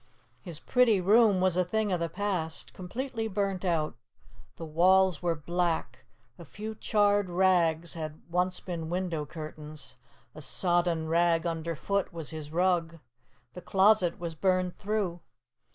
His pretty room was a thing of the past completely burnt out. The walls were black. A few charred rags had once been window curtains. A sodden rag underfoot was his rug. The closet was burned through.